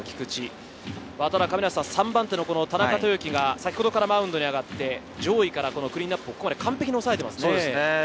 ここまで３打点の菊池、３番手の田中豊樹が先ほどからマウンドに上がって、上位からクリーンナップ、ここまで完璧に抑えてますね。